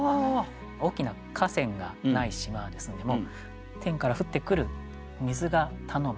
大きな河川がない島ですのでもう天から降ってくる水が頼み。